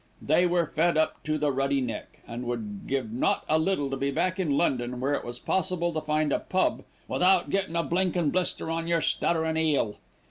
They were "fed up to the ruddy neck," and would give not a little to be back in London, where it was possible to find a pub "without gettin' a blinkin' blister on your stutterin' 'eel."